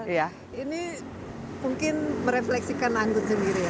ini mungkin merefleksikan anggun sendiri